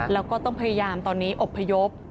แล้วก็ต้องพยายามตอนนี้อบพยพ